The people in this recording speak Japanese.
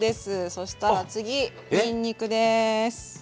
そしたら次にんにくです。